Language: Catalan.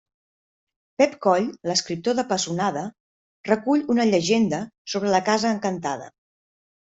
Pep Coll, l'escriptor de Pessonada, recull una llegenda sobre la Casa Encantada.